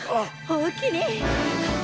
おおきに！